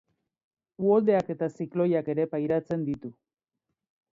Uholdeak eta zikloiak ere pairatzen ditu.